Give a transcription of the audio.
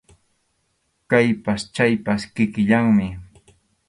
Kaypas chaypas kikillanmi.